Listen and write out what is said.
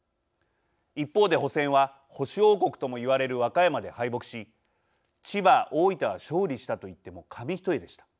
一方で補選は保守王国とも言われる和歌山で敗北し千葉大分は勝利したと言っても紙一重でした。